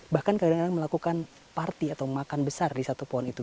bahkan kadang kadang melakukan party atau makan besar di satu pohon itu